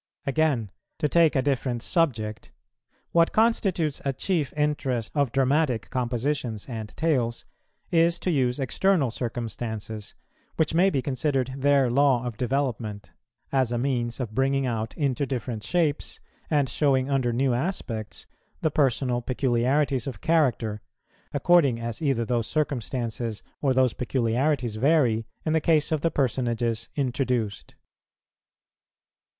Again, to take a different subject, what constitutes a chief interest of dramatic compositions and tales, is to use external circumstances, which may be considered their law of development, as a means of bringing out into different shapes, and showing under new aspects, the personal peculiarities of character, according as either those circumstances or those peculiarities vary in the case of the personages introduced.